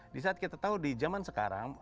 di saat kita tahu di zaman sekarang